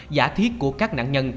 giả thiết của các nạn nhân